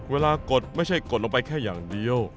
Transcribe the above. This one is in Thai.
กดไม่ใช่กดลงไปแค่อย่างเดียว